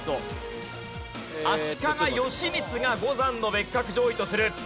足利義満が五山の別格上位とする。